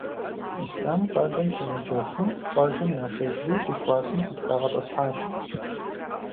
Ислъам къалэм щемыджэфу, къуажэм нашэжри ди классым къытхагъэтӏысхьащ.